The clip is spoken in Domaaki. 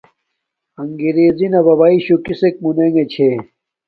اݣگرݵزݵ نݳ بَبݳئی شُݸ کِسݵک مُنݵݣݺ چھݺ؟